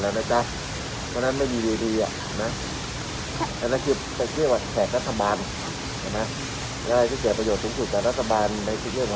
นายกค่ะวันนี้ที่สวบคอแถลงเรื่องมันจะมีแทนที่จะกระตุ้นการท่องเที่ยว